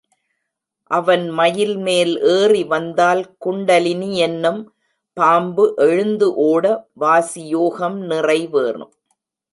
அவன் மயில் மேல் ஏறி வந்தால் குண்டலினியென்னும் பாம்பு எழுந்து ஒட, வாசியோகம் நிறைவேறும்.